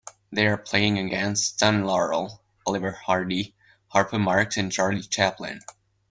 They are playing against Stan Laurel, Oliver Hardy, Harpo Marx, and Charlie Chaplin.